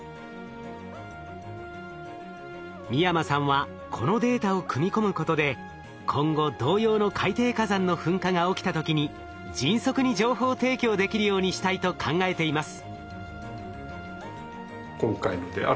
美山さんはこのデータを組み込むことで今後同様の海底火山の噴火が起きた時に迅速に情報提供できるようにしたいと考えています。